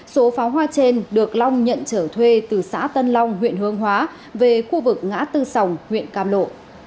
số pháo hoa trên được long nhận trở thuê từ xã tân long huyện hương hóa về khu vực ngã tư sòng huyện cam lộ